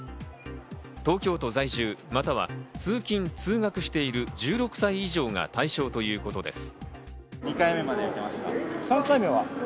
東京都在住または通勤通学している１６歳以上が対象ということです。